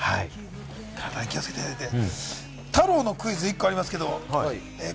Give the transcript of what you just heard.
体に気をつけていただいて。